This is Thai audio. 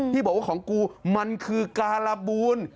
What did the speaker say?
ที่บอกว่าของกูมันคือการบูล